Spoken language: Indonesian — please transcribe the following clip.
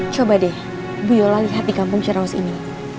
coba deh bu yola lihat di kampung cirawas ini